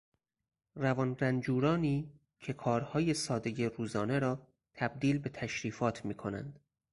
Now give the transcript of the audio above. روانرنجورانی که کارهای سادهی روزانه را تبدیل به تشریفات میکنند